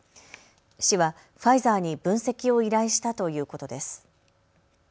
市はファイザーに分析を依頼したということです。